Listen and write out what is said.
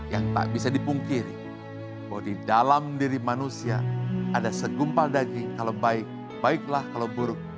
yang tak bisa dipungkiri bodi dalam diri manusia ada segumpal daging kalau baik baik lah kalau buruk